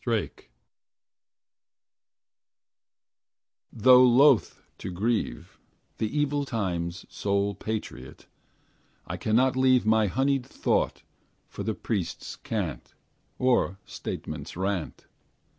CHANNING Though loath to grieve The evil time's sole patriot, I cannot leave My honied thought For the priest's cant, Or statesman's rant.